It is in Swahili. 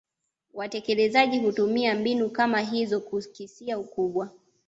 Watekelezaji hutumia mbinu kama hizo kukisia ukubwa